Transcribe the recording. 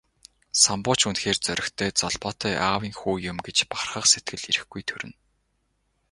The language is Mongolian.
Самбуу ч үнэхээр зоригтой, золбоотой аавын хүү юм гэж бахархах сэтгэл эрхгүй төрнө.